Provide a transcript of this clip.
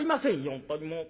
本当にもう。